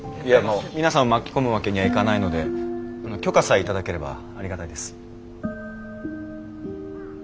皆さんを巻き込むわけにはいかないので許可さえ頂ければありがたいです。